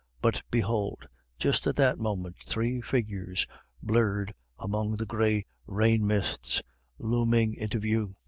But behold, just at that moment three figures, blurred among the gray rain mists, looming into view.